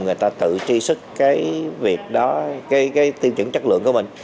người ta tự tri sức cái việc đó cái tiêu chuẩn chất lượng của mình